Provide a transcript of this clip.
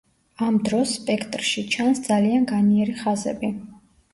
ამ დროს სპექტრში ჩანს ძალიან განიერი ხაზები.